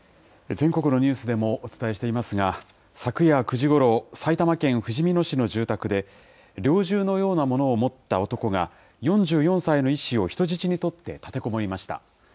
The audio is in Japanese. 全国のニュースでもお伝えしていますが、昨夜９時ごろ、埼玉県ふじみ野市の住宅で、猟銃のようなものを持った男が、４４歳の医師を人質に取って立てこもりました。